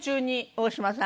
大島さん。